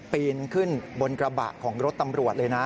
ปีนขึ้นบนกระบะของรถตำรวจเลยนะ